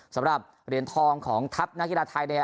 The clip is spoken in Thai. สำหรับเหรียญทองของทัพนาฬิกาไทยเนี่ย